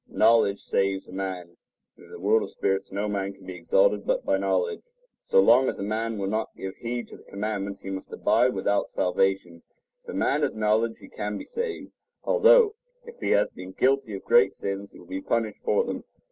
Knowledge saves a man; and in the world of spirits no man can be exalted but by knowledge. So long as a man will not give heed to the commandments, he must abide without salvation. If a man has knowledge, he can be saved; although, if he has been guilty of great sins, he will be punished for them.